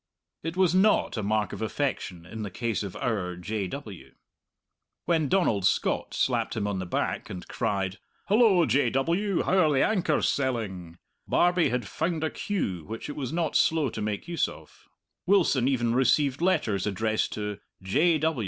It was not a mark of affection in the case of our "J. W." When Donald Scott slapped him on the back and cried, "Hullo, J. W., how are the anchors selling?" Barbie had found a cue which it was not slow to make use of. Wilson even received letters addressed to "J.